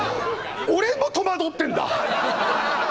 俺も戸惑ってんだ。